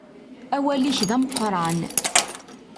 Awal-ik d ameqqran.